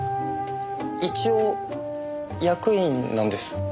一応役員なんです。